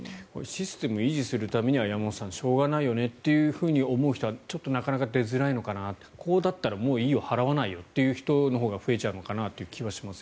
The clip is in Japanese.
システムを維持するためにはしょうがないよねと思う人はちょっとなかなか出づらいのかなとこれだったらもういいよ払わないよという人が増える気がします。